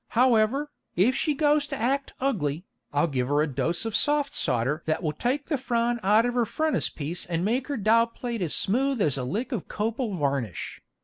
However, if she goes to act ugly, I'll give her a dose of 'soft sawder' that will take the frown out of her frontispiece and make her dial plate as smooth as a lick of copal varnish.